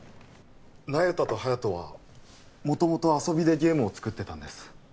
那由他と隼人はもともと遊びでゲームを作ってたんです